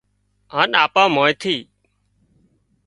هانَ آپان مانيئن ٿي